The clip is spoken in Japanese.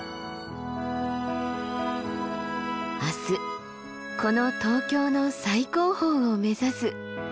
明日この東京の最高峰を目指す。